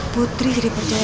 putri jadi percaya